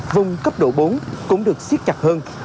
vùng cấp độ bốn cũng được siết chặt hơn